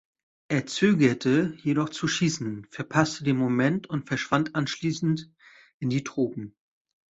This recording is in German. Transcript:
Er zögerte jedoch zu schießen, verpasste den Moment und verschwand anschließend "in die Tropen".